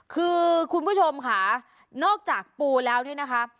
คือคุณผู้ชมค่ะนอกจากปูแล้วนี่นะคะ